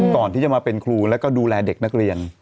ก่อนที่จะมาเป็นครูแล้วก็ดูแลเด็กนักเรียน